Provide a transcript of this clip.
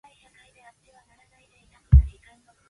He obtained the PhD from University of Chicago.